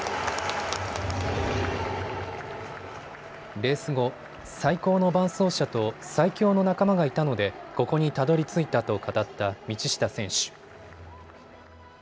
レース後、最高の伴走者と最強の仲間がいたので、ここにたどりついたと語った道下選手。